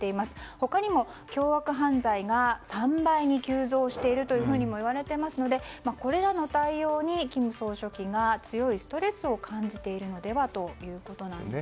他にも凶悪犯罪が３倍に急増しているともいわれていますのでこれらの対応に金総書記が強いストレスを感じているのではということなんですね。